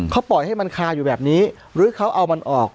เขาปล่อยให้มันคาอยู่แบบนี้หรือเขาเอามันออก